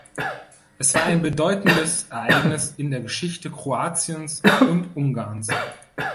Es war ein bedeutendes Ereignis in der Geschichte Kroatiens und Ungarns.